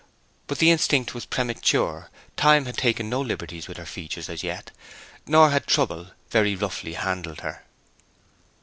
But the instinct was premature. Time had taken no liberties with her features as yet; nor had trouble very roughly handled her.